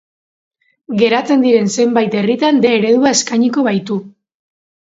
Geratzen diren zenbait herritan D eredua eskainiko baitu.